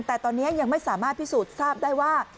แต่ตอนนี้ยังไม่สามารถพิสูจน์ทราบได้ว่า